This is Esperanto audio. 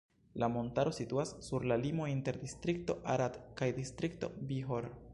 La montaro situas sur la limo inter distrikto Arad kaj distrikto Bihor.